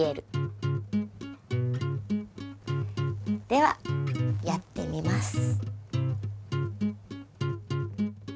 ではやってみます。